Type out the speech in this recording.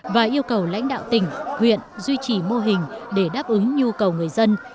và yêu cầu lãnh đạo tỉnh huyện duy trì mô hình để đáp ứng nhu cầu người dân